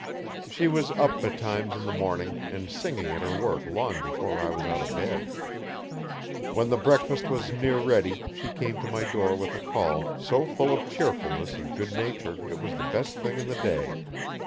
She was up betimes in the morning and singing at her work long before I was out of bed. When the breakfast was near ready she came to my door with a call so fall of cheerfulness and good nature it was the best thing in the day.